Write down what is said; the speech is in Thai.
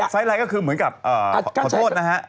ไลน์ก็คือเหมือนกับขอโทษนะฮะ